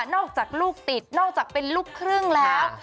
อกจากลูกติดนอกจากเป็นลูกครึ่งแล้ว